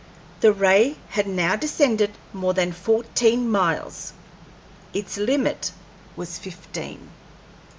The ray had now descended more than fourteen miles its limit was fifteen.